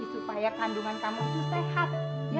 supaya kandungan kamu itu sehat